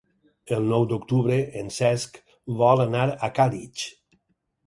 El nou d'octubre en Cesc vol anar a Càlig.